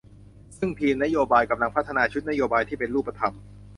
ซึ่งทีมนโยบายกำลังพัฒนาชุดนโยบายที่เป็นรูปธรรม